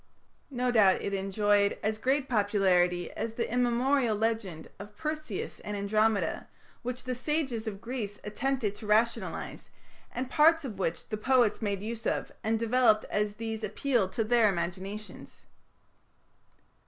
No doubt it enjoyed as great popularity as the immemorial legend of Perseus and Andromeda, which the sages of Greece attempted to rationalize, and parts of which the poets made use of and developed as these appealed to their imaginations.